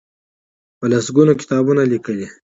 په لس ګونو کتابونه لیکلي دي.